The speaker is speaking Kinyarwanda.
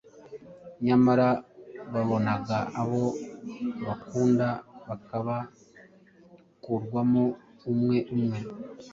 Nyamara babonaga abo bakunda babakurwamo umwe umwe.